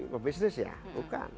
pebisnis ya bukan